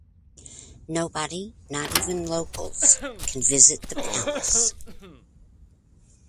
Nobody, not even locals, can visit the palace.